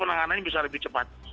penanganan ini bisa lebih cepat